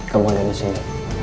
kamu ada di sini